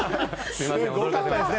すごかったですね。